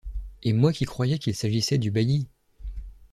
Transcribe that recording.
Et moi qui croyais qu’il s’agissait du bailli!